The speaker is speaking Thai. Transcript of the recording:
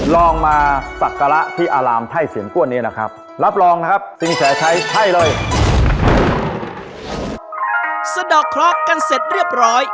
เสด็อกเคราะห์กันเสร็จเรียบร้อย